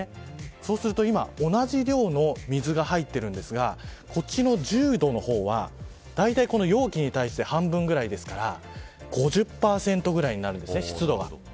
そうすると今同じ量の水が入っているんですがこっちの１０度の方はだいたい容器に対して半分ぐらいですから５０％ぐらいになるんですね湿度が。